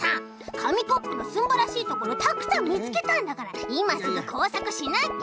かみコップのすんばらしいところたくさんみつけたんだからいますぐこうさくしなきゃ。